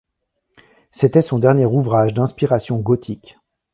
C'était son dernier ouvrage d'inspiration gothique.